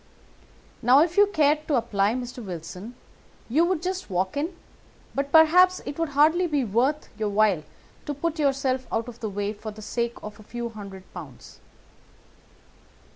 Now, if you cared to apply, Mr. Wilson, you would just walk in; but perhaps it would hardly be worth your while to put yourself out of the way for the sake of a few hundred pounds.